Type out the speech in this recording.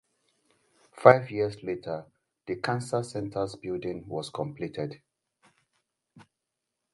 Five years later, the Cancer Center's building was completed.